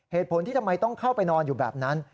เหตุผลที่ทำไมต้องเข้าไปนอนอยู่แบบนั้น